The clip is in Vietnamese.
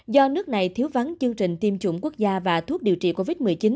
do nước này thiếu vắng chương trình tiêm chủng quốc gia và thuốc điều trị covid một mươi chín